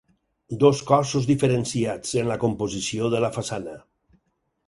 Dos cossos diferenciats, en la composició de la façana.